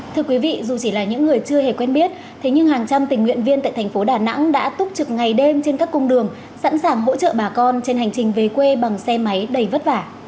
thưa quý vị dù chỉ là những người chưa hề quen biết thế nhưng hàng trăm tình nguyện viên tại thành phố đà nẵng đã túc trực ngày đêm trên các cung đường sẵn sàng hỗ trợ bà con trên hành trình về quê bằng xe máy đầy vất vả